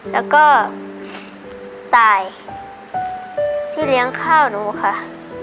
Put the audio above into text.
แล้วก็ตายที่เลี้ยงข้าวหนูค่ะ